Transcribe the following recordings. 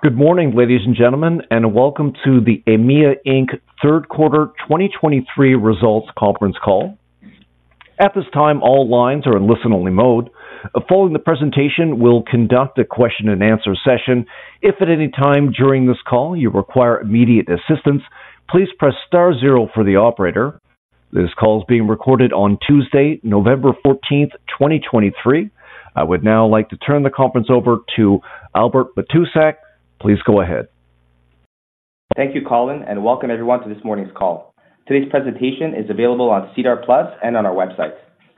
Good morning, ladies and gentlemen, and welcome to the Aimia Inc. third quarter 2023 results conference call. At this time, all lines are in listen-only mode. Following the presentation, we'll conduct a question and answer session. If at any time during this call you require immediate assistance, please press star zero for the operator. This call is being recorded on Tuesday, November 14, 2023. I would now like to turn the conference over to Albert Matuszewski. Please go ahead. Thank you, Colin, and welcome everyone to this morning's call. Today's presentation is available on SEDAR+ and on our website.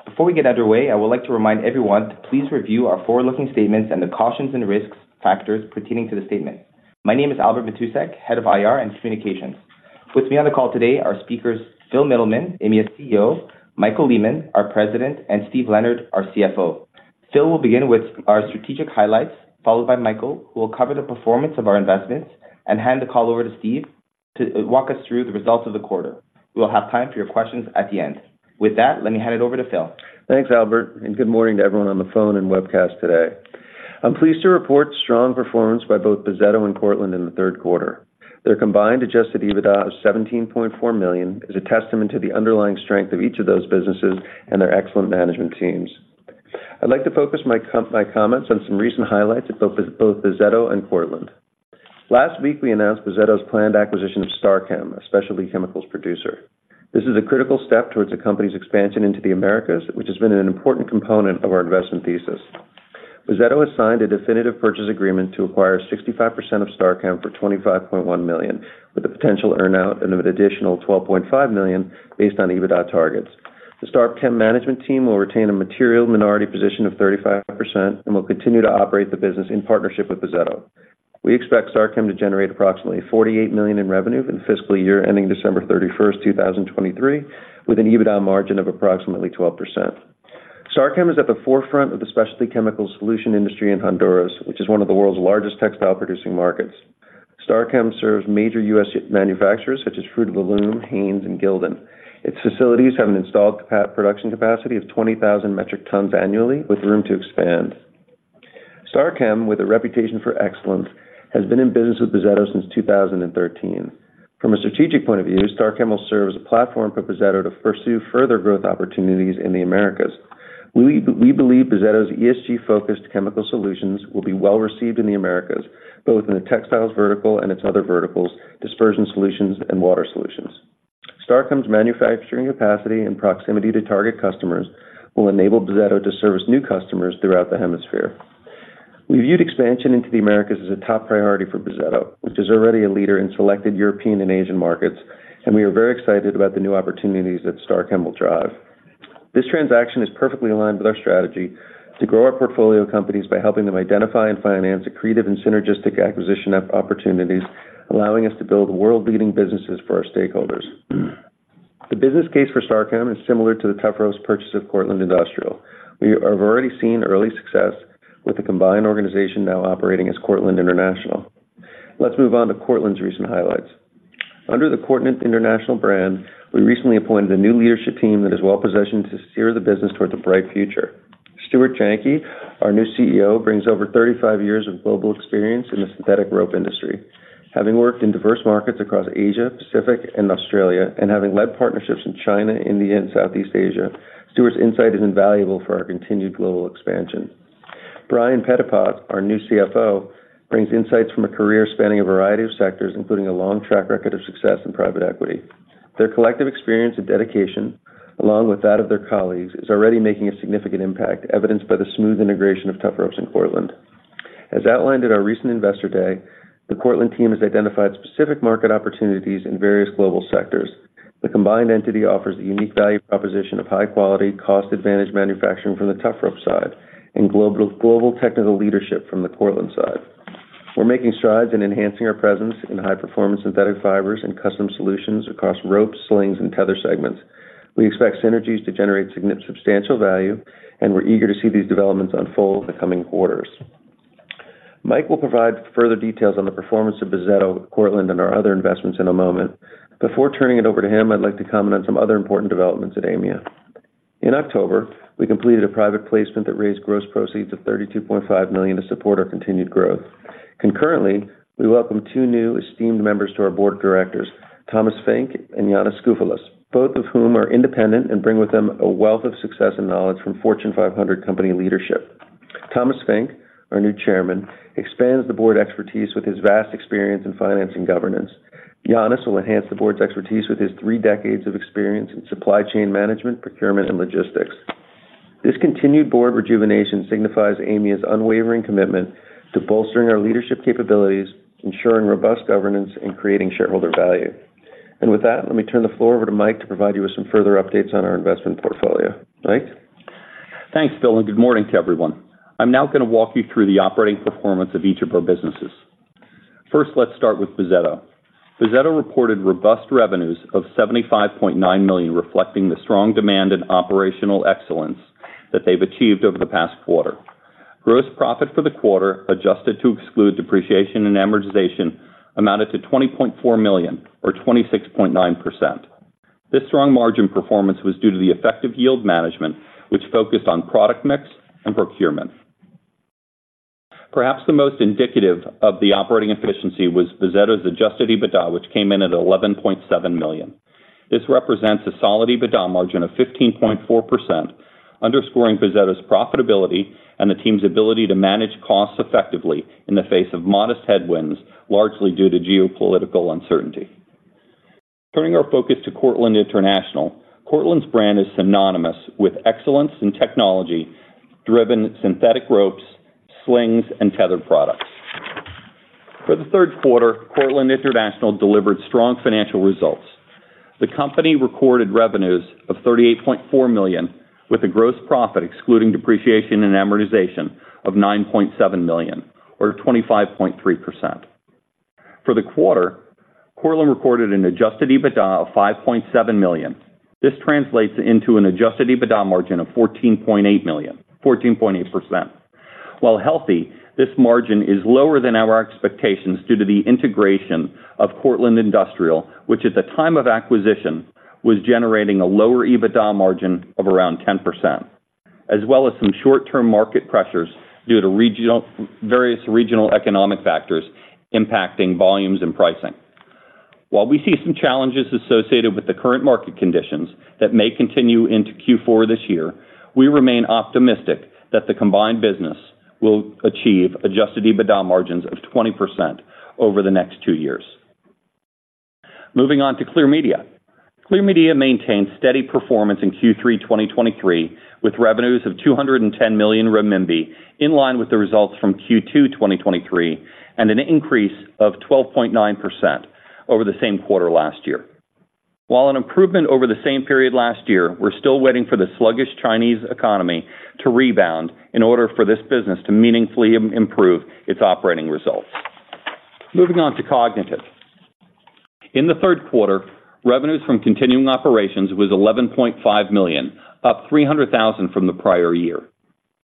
Before we get underway, I would like to remind everyone to please review our forward-looking statements and the cautions and risks factors pertaining to the statement. My name is Albert Matuszewski, Head of IR and Communications. With me on the call today are speakers Phil Mittleman, Aimia CEO, Michael Lehmann, our President, and Steve Leonard, our CFO. Phil will begin with our strategic highlights, followed by Michael, who will cover the performance of our investments and hand the call over to Steve to walk us through the results of the quarter. We will have time for your questions at the end. With that, let me hand it over to Phil. Thanks, Albert, and good morning to everyone on the phone and webcast today. I'm pleased to report strong performance by both Bozzetto and Cortland in the third quarter. Their combined adjusted EBITDA of 17.4 million is a testament to the underlying strength of each of those businesses and their excellent management teams. I'd like to focus my comments on some recent highlights of both Bozzetto and Cortland. Last week, we announced Bozzetto's planned acquisition of StarChem, a specialty chemicals producer. This is a critical step towards the company's expansion into the Americas, which has been an important component of our investment thesis. Bozzetto has signed a definitive purchase agreement to acquire 65% of StarChem for 25.1 million, with a potential earn-out of an additional 12.5 million based on EBITDA targets. The StarChem management team will retain a material minority position of 35% and will continue to operate the business in partnership with Bozzetto. We expect StarChem to generate approximately $48 million in revenue for the fiscal year ending December 31, 2023, with an EBITDA margin of approximately 12%. StarChem is at the forefront of the specialty chemical solution industry in Honduras, which is one of the world's largest textile-producing markets. StarChem serves major U.S. manufacturers such as Fruit of the Loom, Hanes, and Gildan. Its facilities have an installed production capacity of 20,000 metric tons annually, with room to expand. StarChem, with a reputation for excellence, has been in business with Bozzetto since 2013. From a strategic point of view, StarChem will serve as a platform for Bozzetto to pursue further growth opportunities in the Americas. We believe Bozzetto's ESG-focused chemical solutions will be well-received in the Americas, both in the textiles vertical and its other verticals, dispersion solutions and water solutions. StarChem's manufacturing capacity and proximity to target customers will enable Bozzetto to service new customers throughout the hemisphere. We viewed expansion into the Americas as a top priority for Bozzetto, which is already a leader in selected European and Asian markets, and we are very excited about the new opportunities that StarChem will drive. This transaction is perfectly aligned with our strategy to grow our portfolio of companies by helping them identify and finance accretive and synergistic acquisition opportunities, allowing us to build world-leading businesses for our stakeholders. The business case for StarChem is similar to the Tufropes' purchase of Cortland Industrial. We have already seen early success with the combined organization now operating as Cortland International. Let's move on to Cortland's recent highlights. Under the Cortland International brand, we recently appointed a new leadership team that is well-positioned to steer the business towards a bright future. Stuart Janke, our new CEO, brings over 35 years of global experience in the synthetic rope industry. Having worked in diverse markets across Asia, Pacific, and Australia, and having led partnerships in China, India, and Southeast Asia, Stuart's insight is invaluable for our continued global expansion. Brian Peppard, our new CFO, brings insights from a career spanning a variety of sectors, including a long track record of success in private equity. Their collective experience and dedication, along with that of their colleagues, is already making a significant impact, evidenced by the smooth integration of Tufropes in Cortland. As outlined in our recent Investor Day, the Cortland team has identified specific market opportunities in various global sectors. The combined entity offers a unique value proposition of high quality, cost-advantaged manufacturing from the Tufropes side and global, global technical leadership from the Cortland side. We're making strides in enhancing our presence in high-performance synthetic fibers and custom solutions across rope, slings, and tether segments. We expect synergies to generate substantial value, and we're eager to see these developments unfold in the coming quarters. Mike will provide further details on the performance of Bozzetto, Cortland, and our other investments in a moment. Before turning it over to him, I'd like to comment on some other important developments at Aimia. In October, we completed a private placement that raised gross proceeds of 32.5 million to support our continued growth. Concurrently, we welcomed two new esteemed members to our board of directors, Thomas Finke and Yannis Skoufalos, both of whom are independent and bring with them a wealth of success and knowledge from Fortune 500 company leadership. Thomas Finke, our new Chairman, expands the board expertise with his vast experience in financing governance. Yannis will enhance the board's expertise with his three decades of experience in supply chain management, procurement, and logistics. This continued board rejuvenation signifies Aimia's unwavering commitment to bolstering our leadership capabilities, ensuring robust governance, and creating shareholder value. And with that, let me turn the floor over to Mike to provide you with some further updates on our investment portfolio. Mike? Thanks, Phil, and good morning to everyone. I'm now going to walk you through the operating performance of each of our businesses. First, let's start with Bozzetto. Bozzetto reported robust revenues of 75.9 million, reflecting the strong demand and operational excellence that they've achieved over the past quarter. Gross profit for the quarter, adjusted to exclude depreciation and amortization, amounted to 20.4 million or 26.9%. This strong margin performance was due to the effective yield management, which focused on product mix and procurement. Perhaps the most indicative of the operating efficiency was Bozzetto's adjusted EBITDA, which came in at 11.7 million. This represents a solid EBITDA margin of 15.4%, underscoring Bozzetto's profitability and the team's ability to manage costs effectively in the face of modest headwinds, largely due to geopolitical uncertainty. Turning our focus to Cortland International. Cortland's brand is synonymous with excellence in technology-driven synthetic ropes, slings, and tether products. For the third quarter, Cortland International delivered strong financial results. The company recorded revenues of $38.4 million, with a gross profit excluding depreciation and amortization of $9.7 million, or 25.3%. For the quarter, Cortland recorded an Adjusted EBITDA of $5.7 million. This translates into an Adjusted EBITDA margin of 14.8%. While healthy, this margin is lower than our expectations due to the integration of Cortland Industrial, which, at the time of acquisition, was generating a lower EBITDA margin of around 10%, as well as some short-term market pressures due to various regional economic factors impacting volumes and pricing. While we see some challenges associated with the current market conditions that may continue into Q4 this year, we remain optimistic that the combined business will achieve Adjusted EBITDA margins of 20% over the next two years. Moving on to Clear Media. Clear Media maintained steady performance in Q3 2023, with revenues of 210 million renminbi, in line with the results from Q2 2023, and an increase of 12.9% over the same quarter last year. While an improvement over the same period last year, we're still waiting for the sluggish Chinese economy to rebound in order for this business to meaningfully improve its operating results. Moving on to Kognitiv. In the third quarter, revenues from continuing operations was 11.5 million, up 300,000 from the prior year.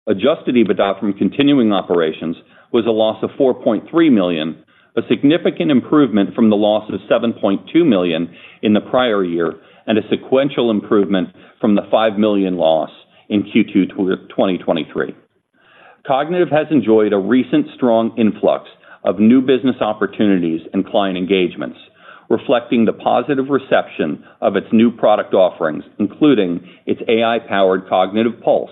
Adjusted EBITDA from continuing operations was a loss of 4.3 million, a significant improvement from the loss of 7.2 million in the prior year, and a sequential improvement from the 5 million loss in Q2 2023. Kognitiv has enjoyed a recent strong influx of new business opportunities and client engagements, reflecting the positive reception of its new product offerings, including its AI-powered Kognitiv Pulse,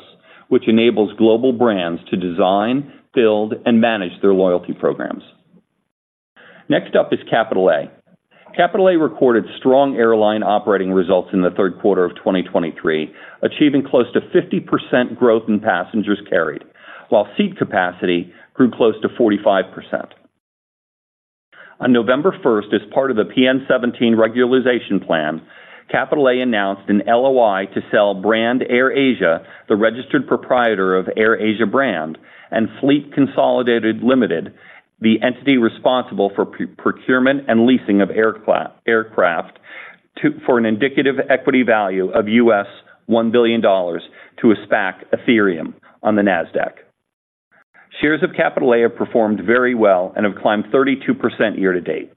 which enables global brands to design, build, and manage their loyalty programs. Next up is Capital A. Capital A recorded strong airline operating results in the third quarter of 2023, achieving close to 50% growth in passengers carried, while seat capacity grew close to 45%. On November first, as part of the PN17 regularization plan, Capital A announced an LOI to sell brand AirAsia, the registered proprietor of AirAsia brand, and Fleet Consolidated Limited, the entity responsible for procurement and leasing of aircraft, for an indicative equity value of $1 billion to a SPAC Aetherium on the NASDAQ. Shares of Capital A have performed very well and have climbed 32% year to date.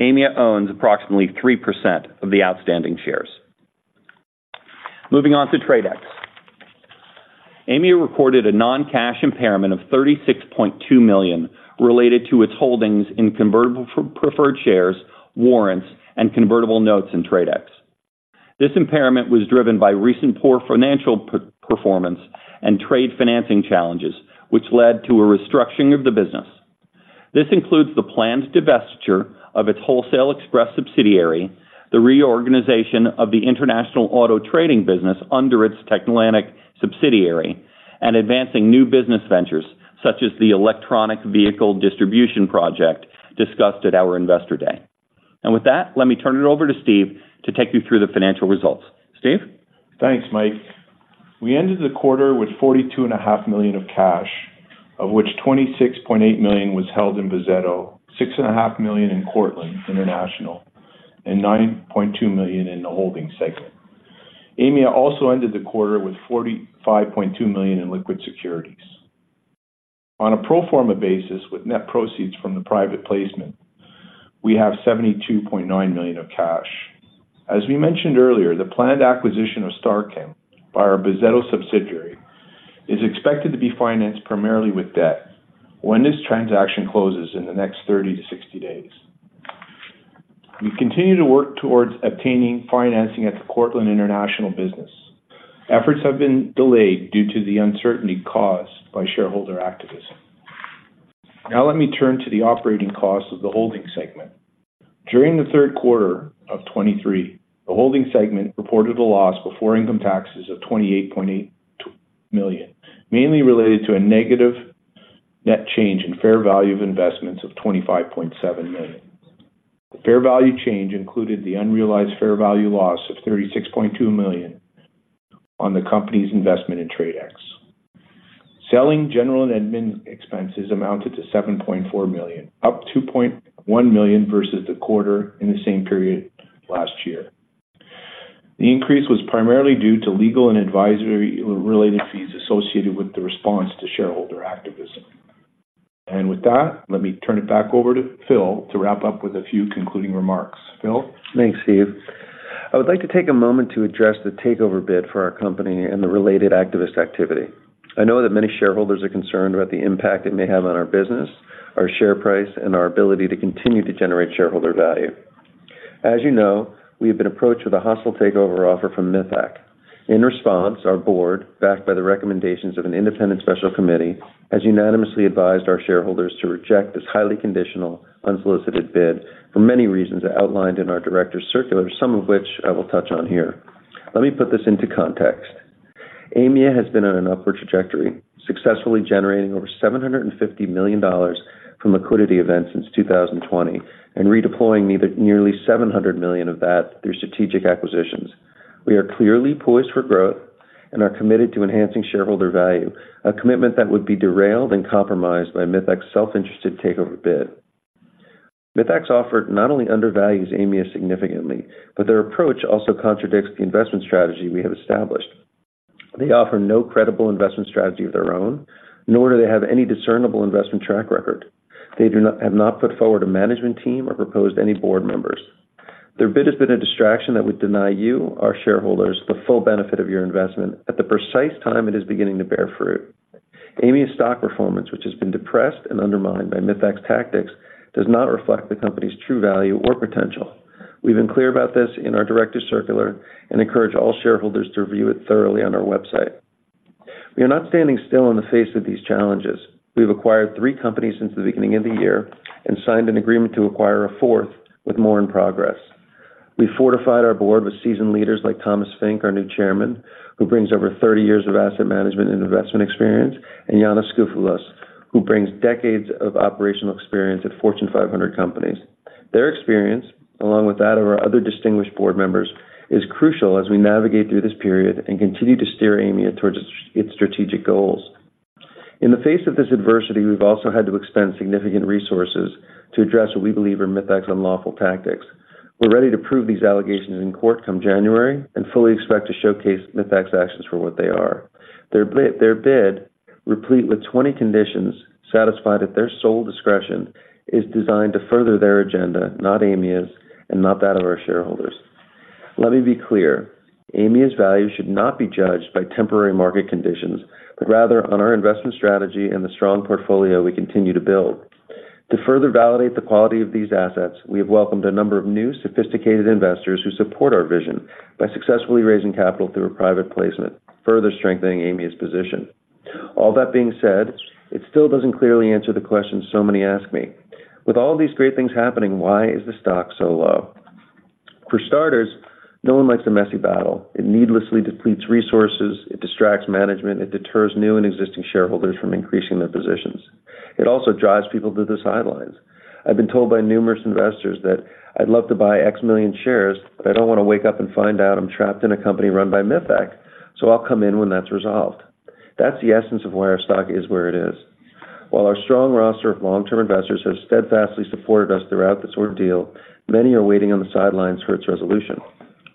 Aimia owns approximately 3% of the outstanding shares. Moving on to TradeX. Aimia recorded a non-cash impairment of 36.2 million related to its holdings in convertible preferred shares, warrants, and convertible notes in TradeX. This impairment was driven by recent poor financial performance and trade financing challenges, which led to a restructuring of the business. This includes the planned divestiture of its Wholesale Express subsidiary, the reorganization of the international auto trading business under its Techlantic subsidiary, and advancing new business ventures, such as the electronic vehicle distribution project discussed at our Investor Day. With that, let me turn it over to Steve to take you through the financial results. Steve? Thanks, Mike. We ended the quarter with 42.5 million of cash, of which 26.8 million was held in Bozzetto, 6.5 million in Cortland International, and 9.2 million in the holding segment. Aimia also ended the quarter with 45.2 million in liquid securities. On a pro forma basis, with net proceeds from the private placement, we have 72.9 million of cash. As we mentioned earlier, the planned acquisition of StarChem by our Bozzetto subsidiary is expected to be financed primarily with debt when this transaction closes in the next 30-60 days. We continue to work towards obtaining financing at the Cortland International business. Efforts have been delayed due to the uncertainty caused by shareholder activism. Now, let me turn to the operating costs of the holding segment. During the third quarter of 2023, the holding segment reported a loss before income taxes of 28.8 million, mainly related to a negative net change in fair value of investments of 25.7 million. The fair value change included the unrealized fair value loss of 36.2 million on the company's investment in TradeX. Selling general and admin expenses amounted to 7.4 million, up 2.1 million versus the quarter in the same period last year. The increase was primarily due to legal and advisory related fees associated with the response to shareholder activism.... And with that, let me turn it back over to Phil to wrap up with a few concluding remarks. Phil? Thanks, Steve. I would like to take a moment to address the takeover bid for our company and the related activist activity. I know that many shareholders are concerned about the impact it may have on our business, our share price, and our ability to continue to generate shareholder value. As you know, we have been approached with a hostile takeover offer from Mithaq. In response, our board, backed by the recommendations of an independent special committee, has unanimously advised our shareholders to reject this highly conditional, unsolicited bid for many reasons outlined in our directors' circular, some of which I will touch on here. Let me put this into context. Aimia has been on an upward trajectory, successfully generating over 750 million dollars from liquidity events since 2020, and redeploying nearly 700 million of that through strategic acquisitions. We are clearly poised for growth and are committed to enhancing shareholder value, a commitment that would be derailed and compromised by Mithaq's self-interested takeover bid. Mithaq's offer not only undervalues Aimia significantly, but their approach also contradicts the investment strategy we have established. They offer no credible investment strategy of their own, nor do they have any discernible investment track record. They have not put forward a management team or proposed any board members. Their bid has been a distraction that would deny you, our shareholders, the full benefit of your investment at the precise time it is beginning to bear fruit. Aimia's stock performance, which has been depressed and undermined by Mithaq's tactics, does not reflect the company's true value or potential. We've been clear about this in our directors' circular and encourage all shareholders to review it thoroughly on our website. We are not standing still in the face of these challenges. We've acquired three companies since the beginning of the year and signed an agreement to acquire a fourth, with more in progress. We fortified our board with seasoned leaders like Thomas Finke, our new chairman, who brings over 30 years of asset management and investment experience, and Yannis Skoufalos, who brings decades of operational experience at Fortune 500 companies. Their experience, along with that of our other distinguished board members, is crucial as we navigate through this period and continue to steer Aimia towards its, its strategic goals. In the face of this adversity, we've also had to expend significant resources to address what we believe are Mithaq's unlawful tactics. We're ready to prove these allegations in court come January and fully expect to showcase Mithaq's actions for what they are. Their bid, replete with 20 conditions, satisfied at their sole discretion, is designed to further their agenda, not Aimia's, and not that of our shareholders. Let me be clear. Aimia's value should not be judged by temporary market conditions, but rather on our investment strategy and the strong portfolio we continue to build. To further validate the quality of these assets, we have welcomed a number of new, sophisticated investors who support our vision by successfully raising capital through a private placement, further strengthening Aimia's position. All that being said, it still doesn't clearly answer the question so many ask me: With all these great things happening, why is the stock so low? For starters, no one likes a messy battle. It needlessly depletes resources, it distracts management, it deters new and existing shareholders from increasing their positions. It also drives people to the sidelines. I've been told by numerous investors that I'd love to buy X million shares, but I don't want to wake up and find out I'm trapped in a company run by Mithaq, so I'll come in when that's resolved. That's the essence of why our stock is where it is. While our strong roster of long-term investors have steadfastly supported us throughout this ordeal, many are waiting on the sidelines for its resolution.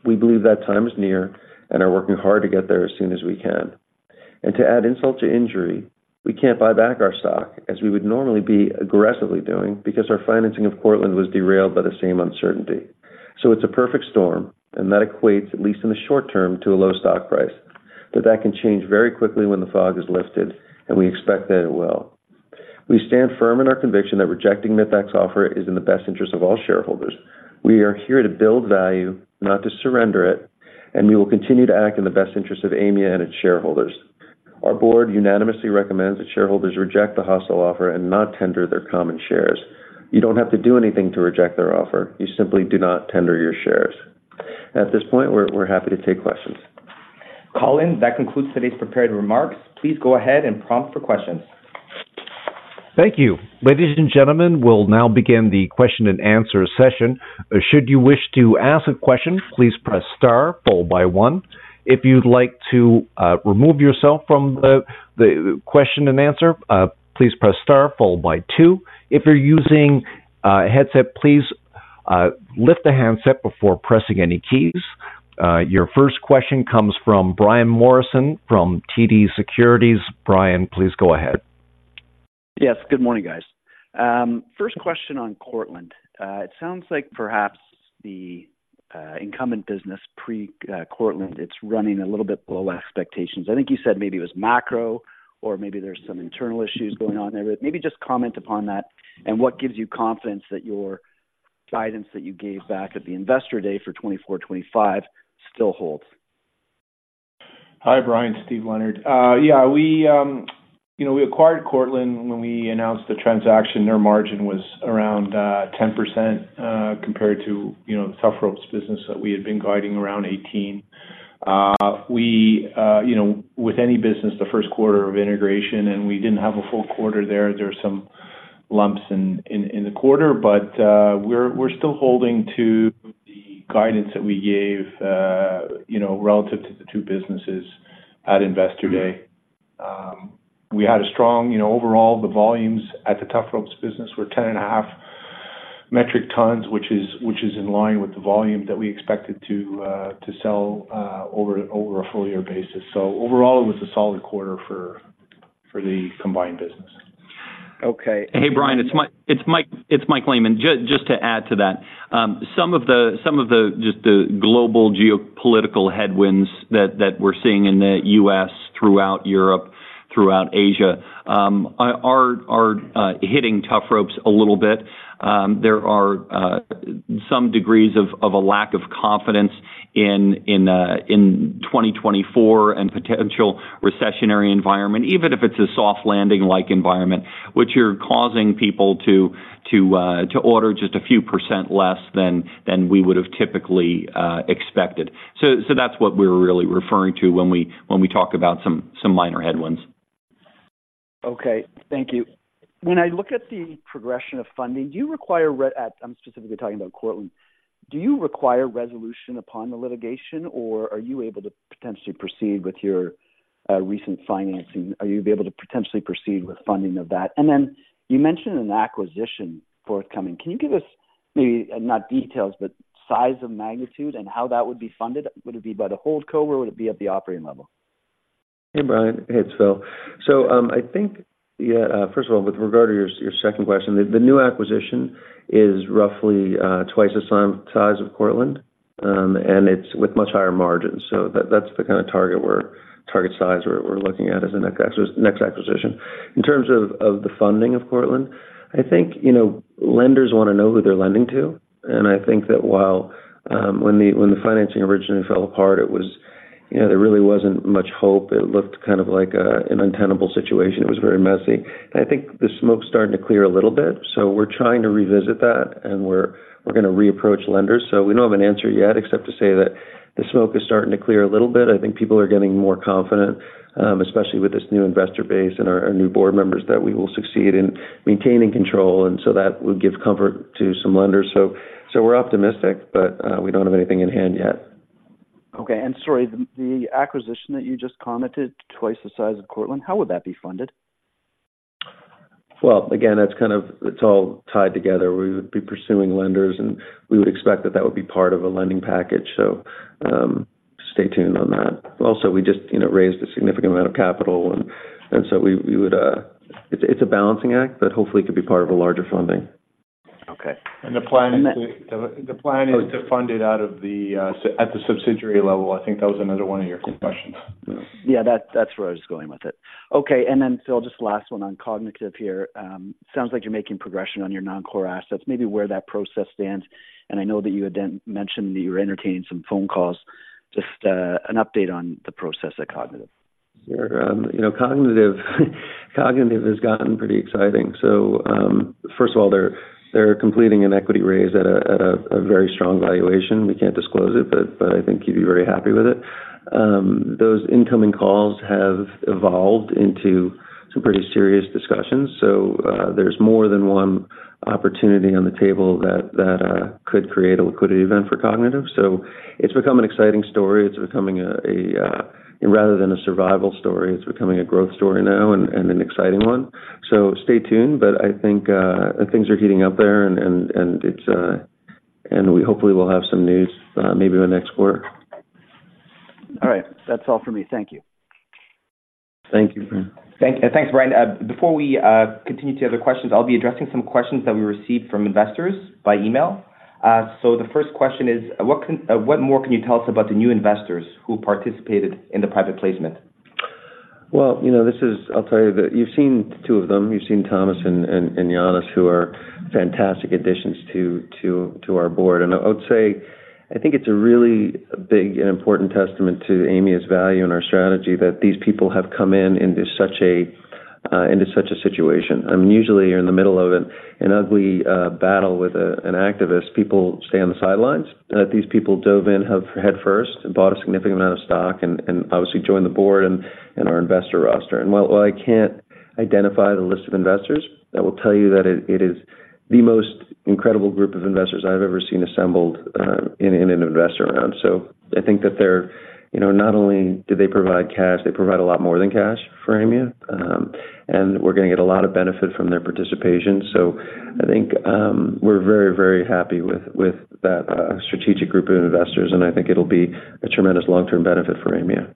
We believe that time is near and are working hard to get there as soon as we can. And to add insult to injury, we can't buy back our stock, as we would normally be aggressively doing, because our financing of Cortland was derailed by the same uncertainty. So it's a perfect storm, and that equates, at least in the short term, to a low stock price. But that can change very quickly when the fog is lifted, and we expect that it will. We stand firm in our conviction that rejecting Mithaq's offer is in the best interest of all shareholders. We are here to build value, not to surrender it, and we will continue to act in the best interest of Aimia and its shareholders. Our board unanimously recommends that shareholders reject the hostile offer and not tender their common shares. You don't have to do anything to reject their offer. You simply do not tender your shares. At this point, we're happy to take questions. Colin, that concludes today's prepared remarks. Please go ahead and prompt for questions. Thank you. Ladies and gentlemen, we'll now begin the question-and-answer session. Should you wish to ask a question, please press star followed by one. If you'd like to remove yourself from the question and answer, please press star followed by two. If you're using a headset, please lift the handset before pressing any keys. Your first question comes from Brian Morrison from TD Securities. Brian, please go ahead. Yes, good morning, guys. First question on Cortland. It sounds like perhaps the incumbent business pre Cortland; it's running a little bit below expectations. I think you said maybe it was macro or maybe there's some internal issues going on there. Maybe just comment upon that and what gives you confidence that your guidance that you gave back at the Investor Day for 2024, 2025 still holds? Hi, Brian, Steve Leonard. Yeah, we, you know, we acquired Cortland when we announced the transaction. Their margin was around 10%, compared to, you know, the Tufropes business that we had been guiding around 18. You know, with any business, the first quarter of integration, and we didn't have a full quarter there, there's some lumps in the quarter, but, we're still holding to the guidance that we gave, you know, relative to the two businesses at Investor Day. We had a strong... You know, overall, the volumes at the Tufropes business were 10.5.... metric tons, which is in line with the volume that we expected to sell over a full year basis. So overall, it was a solid quarter for the combined business. Okay. Hey, Brian, it's Mike Lehmann. Just to add to that, some of the, just the global geopolitical headwinds that we're seeing in the U.S., throughout Europe, throughout Asia, are hitting Tufropes a little bit. There are some degrees of a lack of confidence in 2024 and potential recessionary environment, even if it's a soft landing-like environment, which are causing people to order just a few % less than we would have typically expected. So that's what we're really referring to when we talk about some minor headwinds. Okay, thank you. When I look at the progression of funding, do you require, I'm specifically talking about Cortland. Do you require resolution upon the litigation, or are you able to potentially proceed with your recent financing? Are you able to potentially proceed with funding of that? And then you mentioned an acquisition forthcoming. Can you give us maybe, not details, but size of magnitude and how that would be funded? Would it be by the hold co, or would it be at the operating level? Hey, Brian. Hey, it's Phil. So, I think, yeah, first of all, with regard to your, your second question, the, the new acquisition is roughly twice the size of Cortland, and it's with much higher margins. So that's the kind of target size we're looking at as the next acquisition. In terms of the funding of Cortland, I think, you know, lenders wanna know who they're lending to, and I think that while, when the, when the financing originally fell apart, it was... You know, there really wasn't much hope. It looked kind of like an untenable situation. It was very messy, and I think the smoke's starting to clear a little bit, so we're trying to revisit that, and we're gonna reapproach lenders. So we don't have an answer yet, except to say that the smoke is starting to clear a little bit. I think people are getting more confident, especially with this new investor base and our, our new board members, that we will succeed in maintaining control, and so that will give comfort to some lenders. So, so we're optimistic, but, we don't have anything in hand yet. Okay. And sorry, the acquisition that you just commented, twice the size of Cortland, how would that be funded? Well, again, that's kind of... It's all tied together. We would be pursuing lenders, and we would expect that that would be part of a lending package, so stay tuned on that. Also, we just, you know, raised a significant amount of capital, and so we would... It's, it's a balancing act, but hopefully could be part of a larger funding. Okay. The plan is to fund it out of the subsidiary level. I think that was another one of your questions. Yeah, that, that's where I was going with it. Okay, and then, Phil, just last one on Kognitiv here. Sounds like you're making progression on your non-core assets, maybe where that process stands, and I know that you had then mentioned that you were entertaining some phone calls. Just an update on the process at Kognitiv. Sure. You know, Kognitiv, Kognitiv has gotten pretty exciting. So, first of all, they're, they're completing an equity raise at a, at a, a very strong valuation. We can't disclose it, but, but I think you'd be very happy with it. Those incoming calls have evolved into some pretty serious discussions. So, there's more than one opportunity on the table that, that, could create a liquidity event for Kognitiv. So it's become an exciting story. It's becoming a, a, rather than a survival story, it's becoming a growth story now and, and an exciting one. So stay tuned, but I think, things are heating up there and, and, and it's... And we hopefully will have some news, maybe in the next quarter. All right. That's all for me. Thank you. Thank you. Thanks, Brian. Before we continue to other questions, I'll be addressing some questions that we received from investors by email. The first question is: What more can you tell us about the new investors who participated in the private placement? Well, you know, this is... I'll tell you that you've seen two of them. You've seen Thomas and Yannis, who are fantastic additions to our board. And I would say, I think it's a really big and important testament to Aimia's value and our strategy that these people have come in, into such a situation. I mean, usually, you're in the middle of an ugly battle with an activist. People stay on the sidelines. These people dove in headfirst and bought a significant amount of stock and obviously joined the board and our investor roster. And while I can't identify the list of investors, I will tell you that it is the most incredible group of investors I've ever seen assembled, in an investor round. So I think that they're, you know, not only do they provide cash, they provide a lot more than cash for Aimia, and we're gonna get a lot of benefit from their participation. So I think we're very, very happy with that strategic group of investors, and I think it'll be a tremendous long-term benefit for Aimia.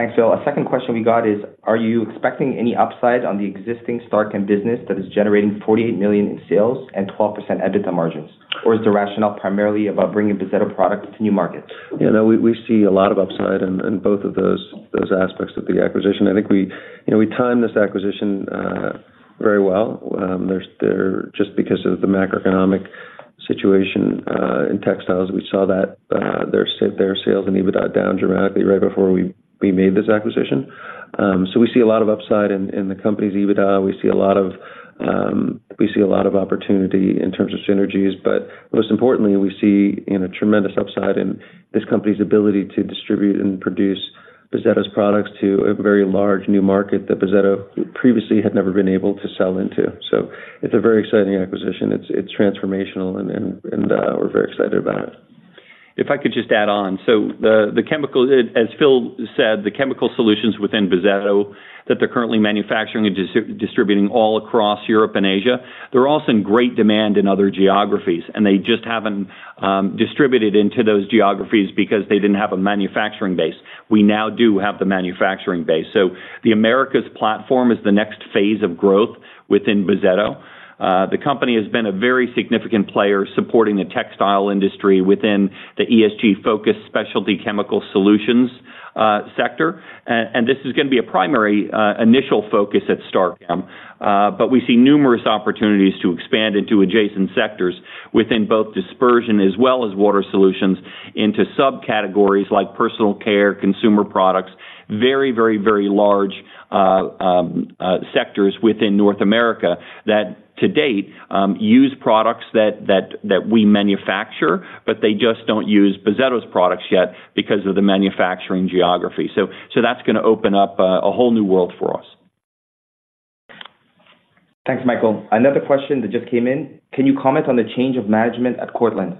Thanks, Phil. A second question we got is: Are you expecting any upside on the existing StarChem business that is generating 48 million in sales and 12% EBITDA margins, or is the rationale primarily about bringing the Bozzetto product to new markets? You know, we see a lot of upside in both of those aspects of the acquisition. I think we, you know, timed this acquisition very well. Just because of the macroeconomic situation in textiles, we saw that their sales and EBITDA down dramatically right before we made this acquisition. So we see a lot of upside in the company's EBITDA. We see a lot of opportunity in terms of synergies, but most importantly, we see, you know, tremendous upside in this company's ability to distribute and produce Bozzetto's products to a very large new market that Bozzetto previously had never been able to sell into. So it's a very exciting acquisition. It's transformational, and we're very excited about it. ...If I could just add on. So the chemical, as Phil said, the chemical solutions within Bozzetto that they're currently manufacturing and distributing all across Europe and Asia, they're also in great demand in other geographies, and they just haven't distributed into those geographies because they didn't have a manufacturing base. We now do have the manufacturing base. So the Americas platform is the next phase of growth within Bozzetto. The company has been a very significant player supporting the textile industry within the ESG-focused specialty chemical solutions sector. And this is gonna be a primary initial focus at StarChem. But we see numerous opportunities to expand into adjacent sectors within both dispersion as well as water solutions, into subcategories like personal care, consumer products, very, very, very large sectors within North America that, to date, use products that we manufacture, but they just don't use Bozzetto's products yet because of the manufacturing geography. So that's gonna open up a whole new world for us. Thanks, Michael. Another question that just came in: Can you comment on the change of management at Cortland?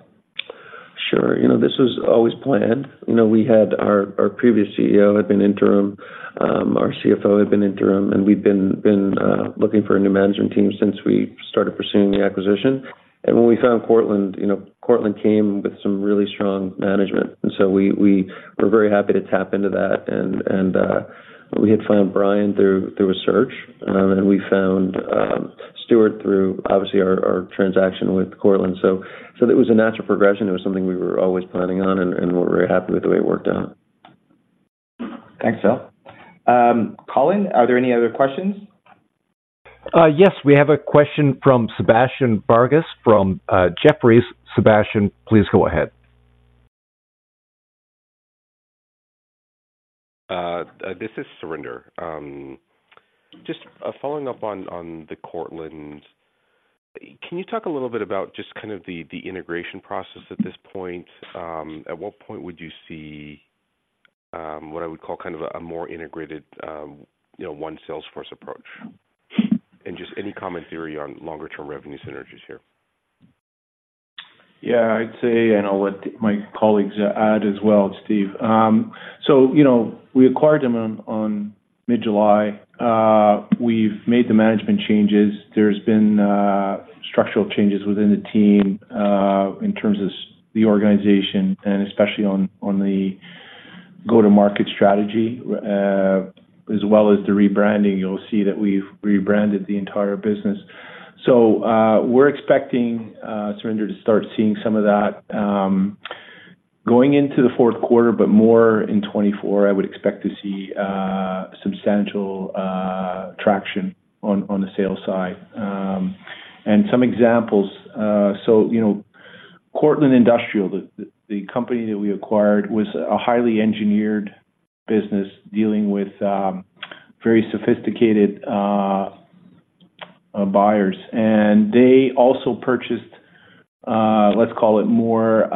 Sure. You know, this was always planned. You know, we had our previous CEO had been interim, our CFO had been interim, and we've been looking for a new management team since we started pursuing the acquisition. And when we found Cortland, you know, Cortland came with some really strong management, and so we were very happy to tap into that. And we had found Brian through a search, and we found Stuart through, obviously, our transaction with Cortland. So it was a natural progression. It was something we were always planning on, and we're very happy with the way it worked out. Thanks, Phil. Colin, are there any other questions? Yes, we have a question from Sebastian Barajas from Jefferies. Sebastian, please go ahead. This is Surinder. Just following up on the Cortland, can you talk a little bit about just kind of the integration process at this point? At what point would you see what I would call kind of a more integrated, you know, one sales force approach? And just any commentary on longer term revenue synergies here. Yeah, I'd say, and I'll let my colleagues add as well, Steve. So, you know, we acquired them on mid-July. We've made the management changes. There's been structural changes within the team, in terms of the organization and especially on the go-to-market strategy, as well as the rebranding. You'll see that we've rebranded the entire business. So, we're expecting, Surinder, to start seeing some of that going into the fourth quarter, but more in 2024, I would expect to see substantial traction on the sales side. And some examples, so, you know, Cortland Industrial, the company that we acquired, was a highly engineered business dealing with very sophisticated buyers. And they also purchased, let's call it more,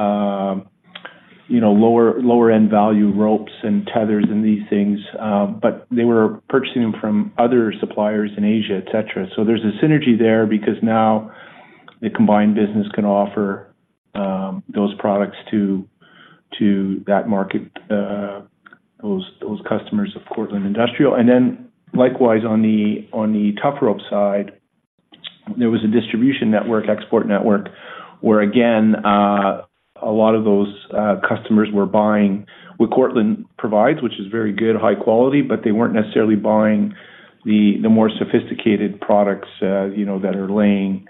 you know, lower, lower end value ropes and tethers and these things, but they were purchasing them from other suppliers in Asia, et cetera. So there's a synergy there because now the combined business can offer, those products to that market, those customers of Cortland Industrial. And then likewise, on the Tufropes side, there was a distribution network, export network, where, again, a lot of those customers were buying what Cortland provides, which is very good, high quality, but they weren't necessarily buying the more sophisticated products, you know, that are laying,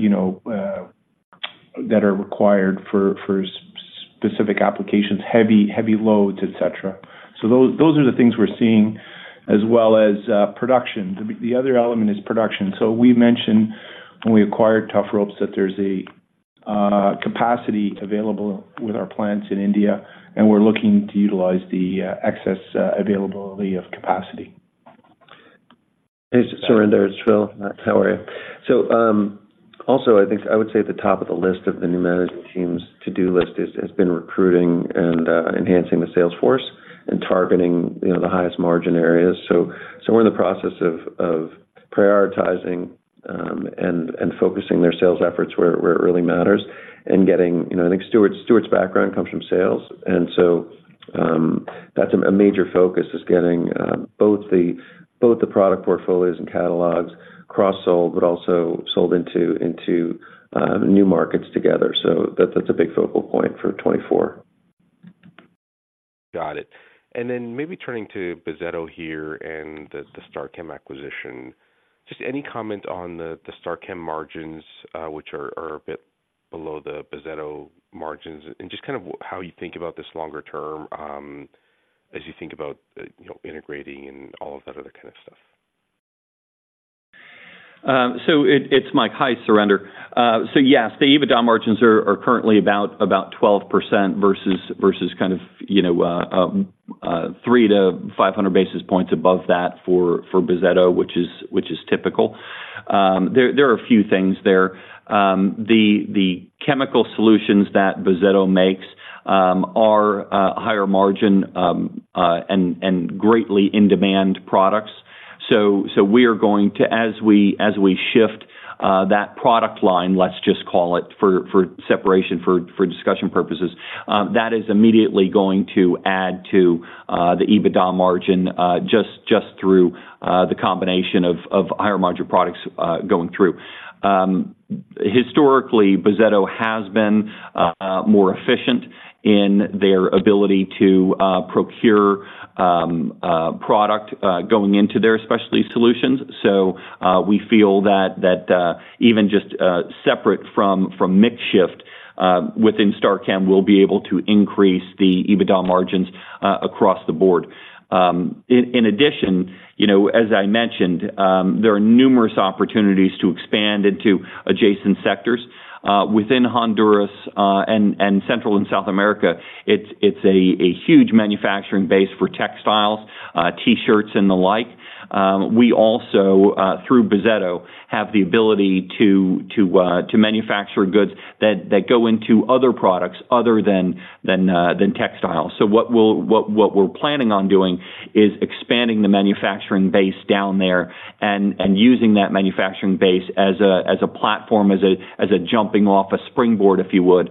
you know, that are required for specific applications, heavy, heavy loads, et cetera. So those are the things we're seeing, as well as production. The other element is production. We mentioned when we acquired Tufropes, that there's a capacity available with our plants in India, and we're looking to utilize the excess availability of capacity. Hey, Surinder, it's Phil. How are you? So, also, I think I would say at the top of the list of the new management team's to-do list is, has been recruiting and, enhancing the sales force and targeting, you know, the highest margin areas. So, we're in the process of prioritizing, and focusing their sales efforts where it really matters and getting... You know, I think Stuart, Stuart's background comes from sales, and so, that's a major focus is getting both the, both the product portfolios and catalogs cross-sold, but also sold into new markets together. So that, that's a big focal point for 2024. Got it. And then maybe turning to Bozzetto here and the StarChem acquisition, just any comment on the StarChem margins, which are a bit below the Bozzetto margins, and just kind of how you think about this longer term, as you think about you know, integrating and all of that other kind of stuff. It's Mike. Hi, Surinder. So yes, the EBITDA margins are currently about 12% versus kind of, you know, 300-500 basis points above that for Bozzetto, which is typical. There are a few things there. The chemical solutions that Bozzetto makes are higher margin and greatly in-demand products. So we are going to, as we shift that product line, let's just call it, for separation, for discussion purposes, that is immediately going to add to the EBITDA margin just through the combination of higher-margin products going through. Historically, Bozzetto has been more efficient in their ability to procure product going into their specialty solutions. So, we feel that even just separate from mix shift within StarChem, we'll be able to increase the EBITDA margins across the board. In addition, you know, as I mentioned, there are numerous opportunities to expand into adjacent sectors within Honduras and Central and South America. It's a huge manufacturing base for textiles, T-shirts, and the like. We also through Bozzetto have the ability to manufacture goods that go into other products other than textiles. So what we're planning on doing is expanding the manufacturing base down there and using that manufacturing base as a platform, as a jumping-off springboard, if you would,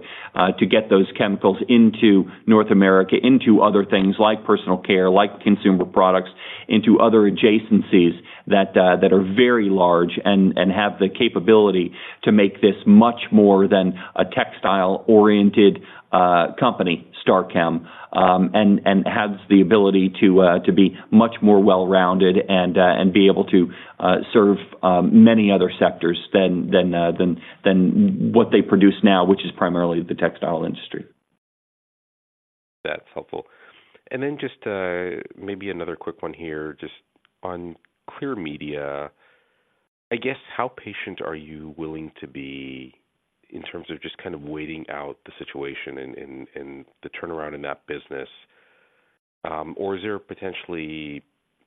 to get those chemicals into North America, into other things like personal care, like consumer products, into other adjacencies that are very large and have the capability to make this much more than a textile-oriented company, StarChem. And has the ability to be much more well-rounded and be able to serve many other sectors than what they produce now, which is primarily the textile industry. That's helpful. Then just maybe another quick one here, just on Clear Media. I guess, how patient are you willing to be in terms of just kind of waiting out the situation and the turnaround in that business? Or is there potentially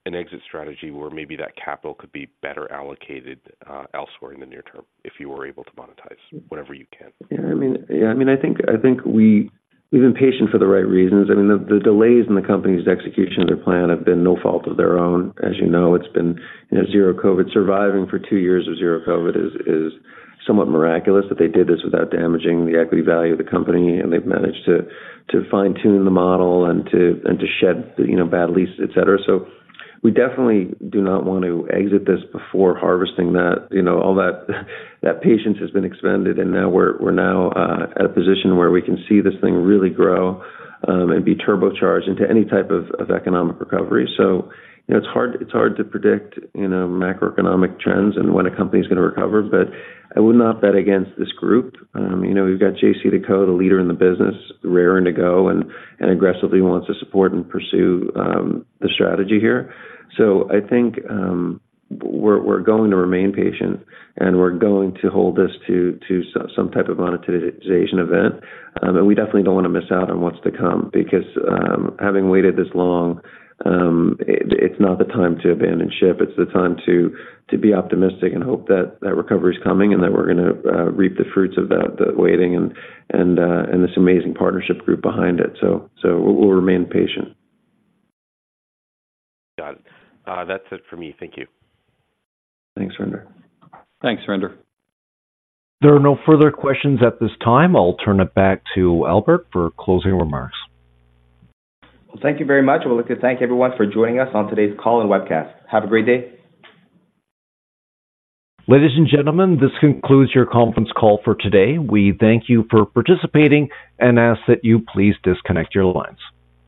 an exit strategy where maybe that capital could be better allocated elsewhere in the near term if you were able to monetize whatever you can? Yeah, I mean, yeah, I mean, I think we've been patient for the right reasons. I mean, the delays in the company's execution of their plan have been no fault of their own. As you know, it's been, you know, zero COVID. Surviving for two years of zero COVID is somewhat miraculous, that they did this without damaging the equity value of the company, and they've managed to fine-tune the model and to shed, you know, bad leases, et cetera. So we definitely do not want to exit this before harvesting that, you know, all that patience has been expended, and now we're at a position where we can see this thing really grow and be turbocharged into any type of economic recovery. So, you know, it's hard, it's hard to predict, you know, macroeconomic trends and when a company is gonna recover, but I would not bet against this group. You know, we've got JCDecaux, the leader in the business, raring to go and aggressively wants to support and pursue the strategy here. So I think, we're going to remain patient, and we're going to hold this to some type of monetization event. And we definitely don't want to miss out on what's to come because, having waited this long, it's not the time to abandon ship. It's the time to be optimistic and hope that that recovery is coming, and that we're gonna reap the fruits of that, the waiting and this amazing partnership group behind it. So, we'll remain patient. Got it. That's it for me. Thank you. Thanks, Surinder. Thanks, Surinder. There are no further questions at this time. I'll turn it back to Albert for closing remarks. Well, thank you very much. I would like to thank everyone for joining us on today's call and webcast. Have a great day. Ladies and gentlemen, this concludes your conference call for today. We thank you for participating and ask that you please disconnect your lines.